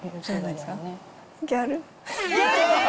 ギャル。